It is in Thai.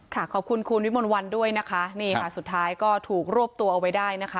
ขอบคุณคุณวิมนต์วันด้วยนะคะนี่ค่ะสุดท้ายก็ถูกรวบตัวเอาไว้ได้นะคะ